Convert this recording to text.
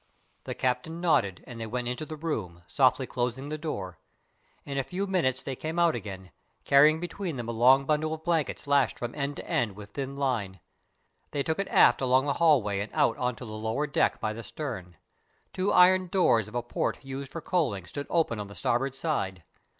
The captain nodded, and they went into the room, softly closing the door. In a few minutes they came out again, carrying between them a long bundle of blankets lashed from end to end with thin line. They took it aft along the alloway and out on to the lower deck by the stern. Two iron doors of a port used for coaling stood open on the starboard side.